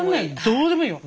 どうでもいい。